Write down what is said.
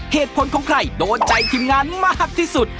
เหตุผลของใครโดนใจทีมงานมากที่สุด